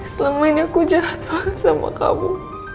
selamanya aku jahat banget sama kamu